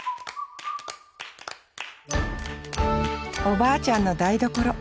おばあちゃんの台所。